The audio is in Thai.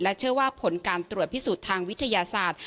เชื่อว่าผลการตรวจพิสูจน์ทางวิทยาศาสตร์